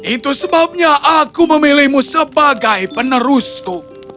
itu sebabnya aku memilihmu sebagai penerusku